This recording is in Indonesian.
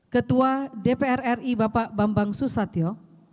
ketua dpr ri bapak bambang susatyo